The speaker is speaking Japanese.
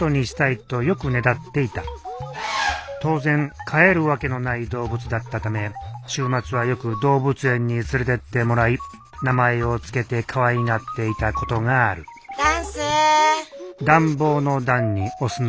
当然飼えるわけのない動物だったため週末はよく動物園に連れてってもらい名前を付けてかわいがっていたことがある暖酢。